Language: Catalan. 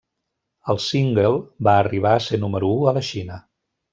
El single va arribar a ser número u a la Xina.